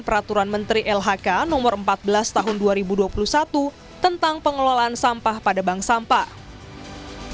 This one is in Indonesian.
peraturan menteri lhk no empat belas tahun dua ribu dua puluh satu tentang pengelolaan sampah pada bank sampah